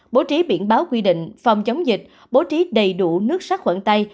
bố trí biển báo quy định phòng chống dịch bố trí đầy đủ nước sát khuẩn tay